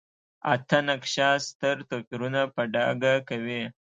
اته نقشه ستر توپیرونه په ډاګه کوي.